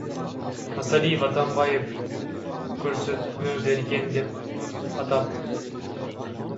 Масалиев Атамбаев көрсөтмө берген деп атат.